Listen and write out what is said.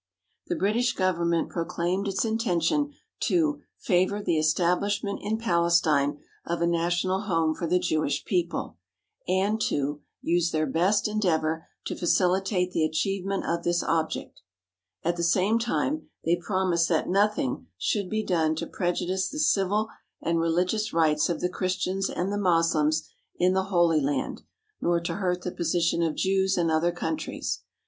The British Government proclaimed its intention to "favour the establishment in Palestine of a national home for the Jewish people" and to "use their best en deavour to facilitate the achievement of this object." At the same time they promised that nothing should be done to prejudice the civil and religious rights of the Christians and the Moslems in the Holy Land, nor to hurt the position of Jews in other countries.